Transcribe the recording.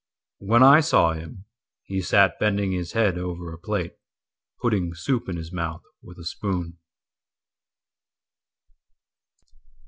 When I saw him, He sat bending his head over a platePutting soup in his mouth with a spoon.